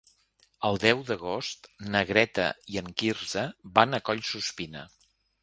El deu d'agost na Greta i en Quirze van a Collsuspina.